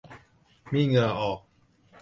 มีเหงื่อออก